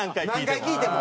何回聞いても。